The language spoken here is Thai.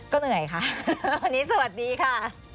ก็เหนื่อยค่ะวันนี้สวัสดีค่ะ